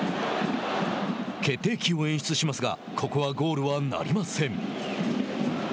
決定機を演出しますがここはゴールはなりません。